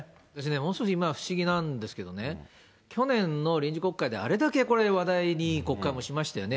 私、少し今、不思議なんですけどね、去年の臨時国会であれだけ話題に、国会もしましたよね。